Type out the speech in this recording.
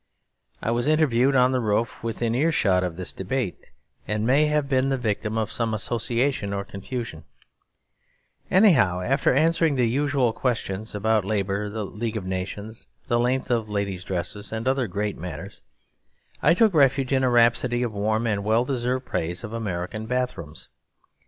I was interviewed on the roof, within earshot of this debate, and may have been the victim of some association or confusion; anyhow, after answering the usual questions about Labour, the League of Nations, the length of ladies' dresses, and other great matters, I took refuge in a rhapsody of warm and well deserved praise of American bathrooms.